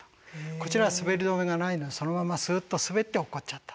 こちらはすべり止めがないのでそのままスッと滑って落っこっちゃった。